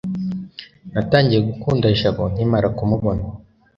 natangiye gukunda jabo nkimara kumubona